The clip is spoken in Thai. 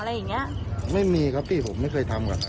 อะไรอย่างเงี้ยไม่มีครับพี่ผมไม่เคยทำกัน